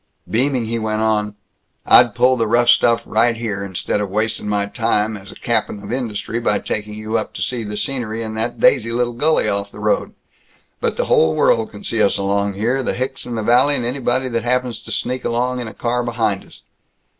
Beaming, he went on, "I'd pull the rough stuff right here, instead of wastin' my time as a cap'n of industry by taking you up to see the scenery in that daisy little gully off the road; but the whole world can see us along here the hicks in the valley and anybody that happens to sneak along in a car behind us.